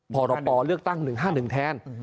พรปเลือกตั้ง๑๕๑แทน